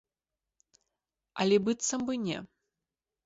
Але быццам бы не.